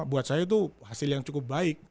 buat saya itu hasil yang cukup baik